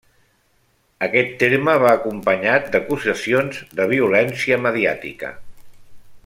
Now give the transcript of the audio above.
Aquest terme va acompanyat d'acusacions de violència mediàtica.